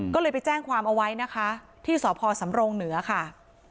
ก็เลยไปแจ้งความเอาไว้นะคะที่สพสำรงเหนือค่ะ